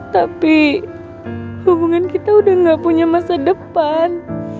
tapi hubungan kita udah gak punya masa depan